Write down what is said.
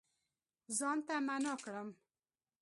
ځان ته معنا کړم